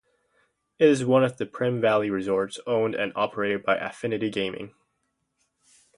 It is one of the Primm Valley Resorts, owned and operated by Affinity Gaming.